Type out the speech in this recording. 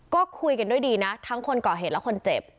ก็คุยกันด้วยดีนะทั้งคนก่อเหตุและคนเจ็บ